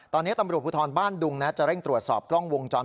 ตอนนี้ตำรวจภูทรบ้านดุงจะเร่งตรวจสอบกล้องวงจร